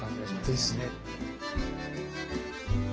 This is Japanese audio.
ですね。